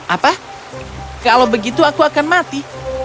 apa kalau begitu aku akan mati